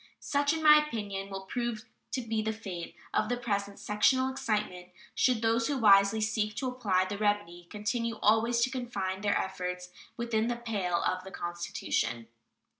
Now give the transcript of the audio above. Such, in my opinion, will prove to be the fate of the present sectional excitement should those who wisely seek to apply the remedy continue always to confine their efforts within the pale of the Constitution.